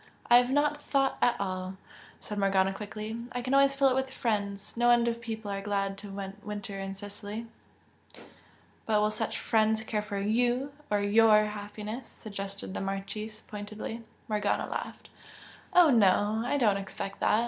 "I have not thought at all" said Morgana, quickly, "I can always fill it with friends. No end of people are glad to winter in Sicily." "But will such 'friends' care for YOU or YOUR happiness?" suggested the Marchese, pointedly. Morgana laughed. "Oh, no, I do not expect that!